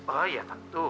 oh iya tentu